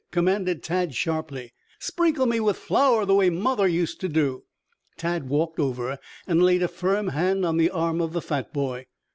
commanded Tad sharply. "Sprinkle me with flour the way mother used to do." Tad walked over and laid a firm hand on the arm of the fat boy.